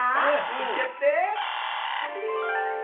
いっちゃって。